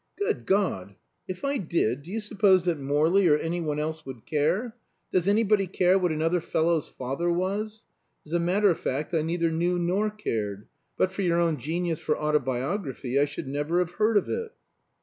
"Good God! If I did, do you suppose that Morley or any one else would care? Does anybody care what another fellow's father was? As a matter of fact I neither knew nor cared. But for your own genius for autobiography I should never have heard of it."